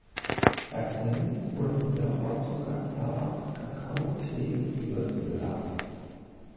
Weiterhin wurden hier Rohzucker, Tabak, Kakao, Tee und Gewürze gelagert.